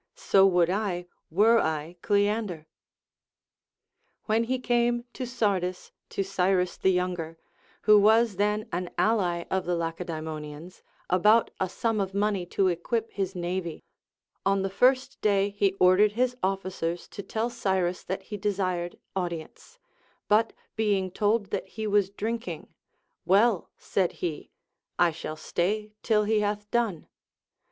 So would I, were I Oleander. When he came to Sardis to Cyrus the Younger, who Avas then an ally of the Lacedaemonians, about a sum of money to equip his navy, on the first day he ordered his officers to tell Oyrus that he desired audi ence ; but being told that he was drinking, ΛVell, said he, I shall stay till he hath done.